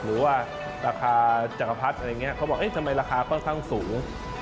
หรือว่าราคาจักรพรรดิอะไรอย่างนี้เขาบอกเอ๊ะทำไมราคาค่อนข้างสูง